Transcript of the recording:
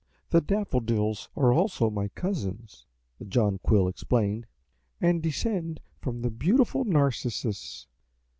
"The Daffodils are also my cousins," the Jonquil explained, "and descend from the beautiful Narcissus."